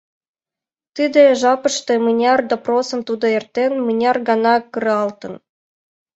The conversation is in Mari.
Тиде жапыште мыняр допросым тудо эртен, мыняр гана кыралтын!